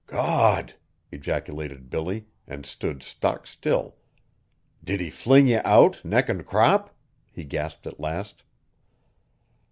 "Gawd!" ejaculated Billy, and stood stock still. "Did he fling ye out, neck and crop?" he gasped at last.